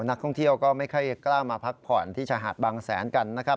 นักท่องเที่ยวก็ไม่ค่อยกล้ามาพักผ่อนที่ชายหาดบางแสนกันนะครับ